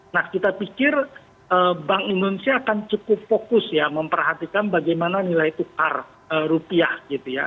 nah kita pikir bank indonesia akan cukup fokus ya memperhatikan bagaimana nilai tukar rupiah gitu ya